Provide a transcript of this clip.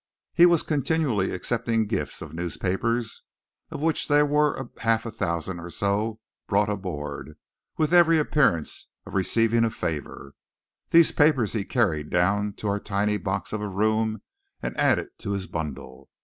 He was continually accepting gifts of newspapers of which there were a half a thousand or so brought aboard with every appearance of receiving a favour. These papers he carried down to our tiny box of a room and added to his bundle.